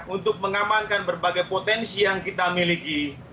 untuk mengamankan berbagai potensi yang kita miliki